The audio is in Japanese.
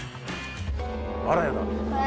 あらやだ。